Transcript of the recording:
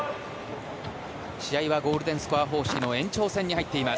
試合はゴールデンスコア方式の延長戦に入っています。